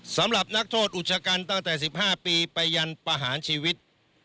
สำหรับนักโทษอุชกันตั้งแต่๑๕ปีไปยันประหารชีวิต